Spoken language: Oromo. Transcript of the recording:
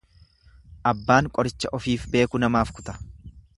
Abbaan qoricha ofiif beeku namaaf kuta.